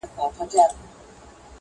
سیوری د ولي خوب د پېغلي پر ورنونه٫